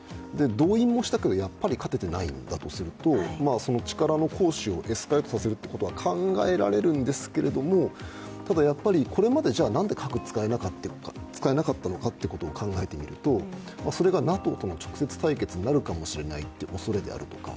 動員もしたけれども、やっぱり勝てていないとすると力の行使をエスカレートさせることは考えられるんですけども、ただこれまでじゃあなんで核を使えなかったのかというのを考えてみるとそれがＮＡＴＯとの直接対決になるかもしれないという恐れであるとか、